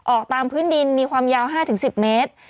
ออกตามพื้นดินมีความยาว๕๑๐เมตร